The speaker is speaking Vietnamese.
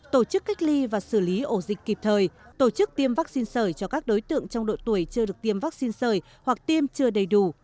tổ chức cách ly và xử lý ổ dịch kịp thời tổ chức tiêm vaccine sởi cho các đối tượng trong độ tuổi chưa được tiêm vaccine sởi hoặc tiêm chưa đầy đủ